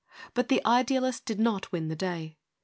But the idealist did not win the day.